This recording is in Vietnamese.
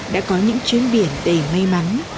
đã có những chuyến biển đầy may mắn